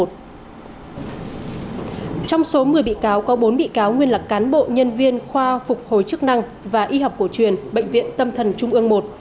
trong số một mươi bị cáo có bốn bị cáo nguyên là cán bộ nhân viên khoa phục hồi chức năng và y học cổ truyền bệnh viện tâm thần trung ương một